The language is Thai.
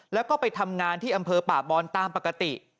แล้วก็ไปทำงานที่อำเภอป่าบอนตามปกติ